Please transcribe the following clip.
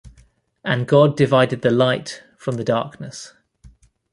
and God divided the light from the darkness.